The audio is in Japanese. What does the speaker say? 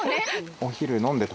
お昼、飲んでた？